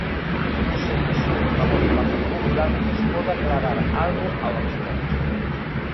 Non sei se o portavoz do Partido Popular nos pode aclarar algo ao respecto.